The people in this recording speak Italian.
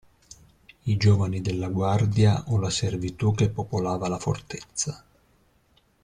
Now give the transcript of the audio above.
I giovani della guardia o la servitù che popolava la fortezza.